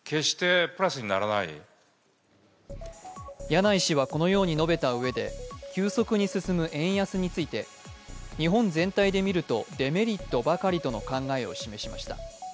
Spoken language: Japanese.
柳井氏はこのように述べたうえで急速に進む円安について日本全体でみるとデメリットばかりとの考えを示しました。